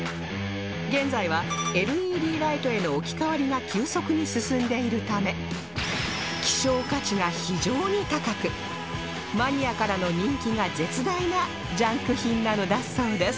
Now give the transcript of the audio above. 現在は ＬＥＤ ライトへの置き替わりが急速に進んでいるため希少価値が非常に高くマニアからの人気が絶大なジャンク品なのだそうです